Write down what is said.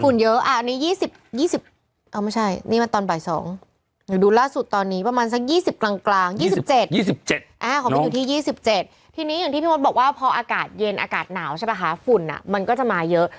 ฝุ่นเยอะอ่ะอันนี้ยี่สิบยี่สิบอ้อไม่ใช่นี่มันตอนบ่ายสอง